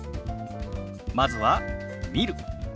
まずは「見る」。